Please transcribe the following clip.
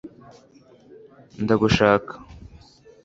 ndagushaka